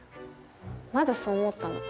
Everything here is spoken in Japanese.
まずそう思ったの。